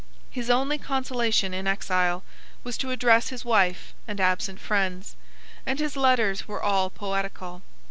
His only consolation in exile was to address his wife and absent friends, and his letters were all poetical.